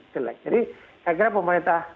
jelek jadi saya kira pemerintah